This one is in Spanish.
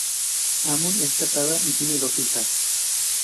Amon es casada y tiene dos hijas.